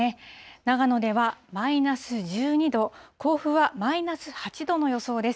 長野ではマイナス１２度、甲府はマイナス８度の予想です。